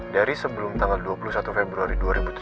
dari sebelum tanggal dua puluh satu februari dua ribu tujuh belas